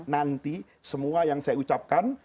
nanti semua yang saya ucapkan